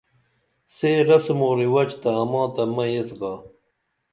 سے رسم اُو رِوَج تہ اماں تہ مئی ایس گا